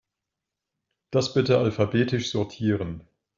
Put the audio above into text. Das bitte alphabetisch sortieren.